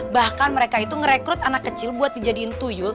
bahkan mereka itu ngerekrut anak kecil buat dijadiin tuyuk